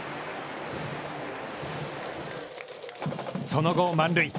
その後、満塁。